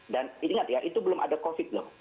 dan ingat ya itu belum ada covid loh